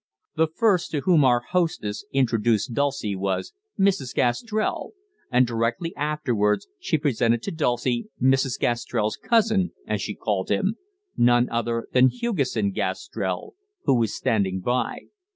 The first to whom our hostess introduced Dulcie was "Mrs. Gastrell," and directly afterwards she presented to Dulcie "Mrs. Gastrell's cousin," as she called him none other than Hugesson Gastrell, who was standing by.